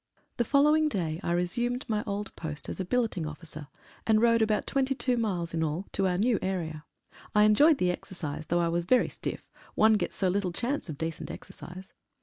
HE following day I resumed my old post as billet ing officer, and rode about 22 miles in all to our new area. I enjoyed the exercise, though I was very stiff, one gets so little chance of decent exercise.